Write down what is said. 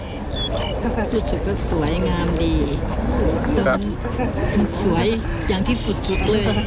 รู้สึกรู้สึกสวยงามดีว่าสวยอย่างที่สุดทุกเลย